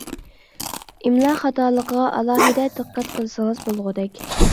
ئىملا خاتالىقىغا ئالاھىدە دىققەت قىلسىڭىز بولغۇدەك.